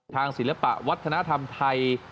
ศิลปะวัฒนธรรมไทย